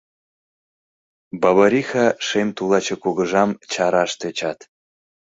Бабариха — шем тулаче Кугыжам чараш тӧчат